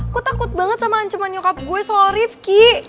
gue takut banget sama ancaman nyokap gue soal rifki